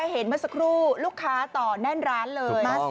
เห็นเมื่อสักครู่ลูกค้าต่อแน่นร้านเลย